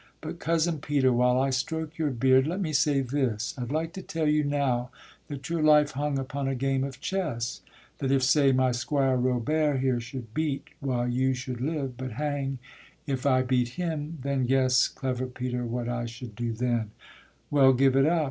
But, cousin Peter, while I stroke your beard, Let me say this, I'd like to tell you now That your life hung upon a game of chess, That if, say, my squire Robert here should beat, Why you should live, but hang if I beat him; Then guess, clever Peter, what I should do then: Well, give it up?